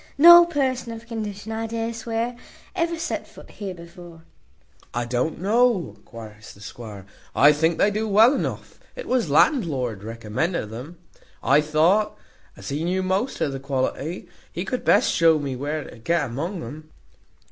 no person of condition, I dare swear, ever set foot here before." "I don't know," cries the squire, "I think they do well enough; it was landlord recommended them. I thought, as he knew most of the quality, he could best shew me where to get among um."